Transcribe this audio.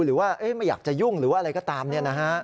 หรือว่าไม่อยากจะยุ่งหรือว่าอะไรก็ตาม